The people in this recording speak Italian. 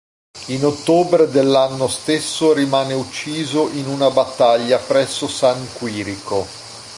In ottobre dell'anno stesso rimane ucciso in una battaglia presso San Quirico.